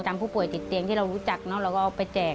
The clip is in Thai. ผู้ป่วยติดเตียงที่เรารู้จักเนอะเราก็เอาไปแจก